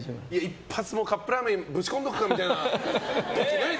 一発カップラーメンぶち込んどくかみたいな。